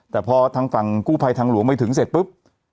แต่พอทางฝั่งกู้ภัยทางหลวงไปถึงเสร็จปุ๊บ